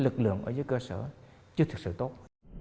lượng ở dưới cơ sở chưa thực sự tốt